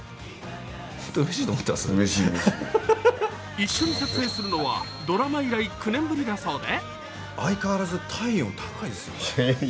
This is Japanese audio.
一緒に撮影するのはドラマ以来９年ぶりだそうで。